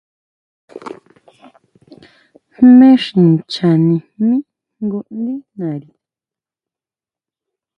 Jmé xi nchanijmí jngu ndí nari.